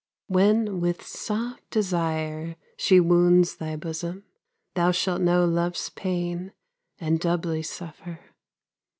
When with soft desire she wounds thy bosom, Thou shalt know love's pain and doubly suffer.